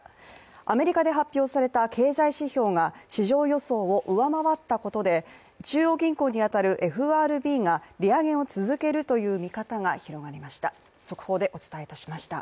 アメリカで発表された経済指標が市場予想を上回ったことで、中央銀行に当たるＦＲＢが利上げを続けるという見方が広がりました。